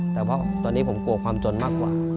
แต่เพราะตอนนี้ผมกลัวความจนมากกว่า